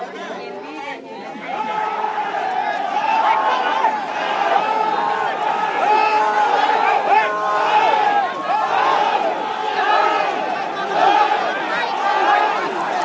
เราจะไม่ทำร้ายกันนะครับนั่นเราให้อภัยกันนะครับ